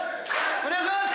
お願いします。